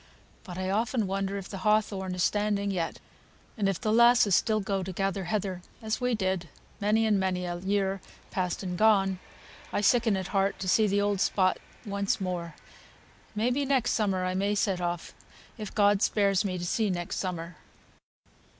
But I often wonder if the hawthorn is standing yet, and if the lasses still go to gather heather, as we did many and many a year past and gone. I sicken at heart to see the old spot once again. May be next summer I may set off, if God spares me to see next summer."